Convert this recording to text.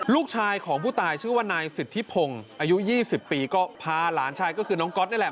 ลูกชายของผู้ตายชื่อว่านายสิทธิพงศ์อายุ๒๐ปีก็พาหลานชายก็คือน้องก๊อตนี่แหละ